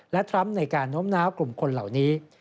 และทรัมป์ในการโน้มน้าวกลุ่มคนเหล่านี้